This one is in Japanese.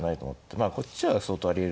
まあこっちは相当ありえるんですよね。